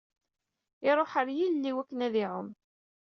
Iruḥ ɣer ilel i waken ad iɛumm.